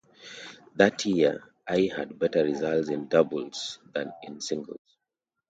That year, Ai had better results in doubles than in singles.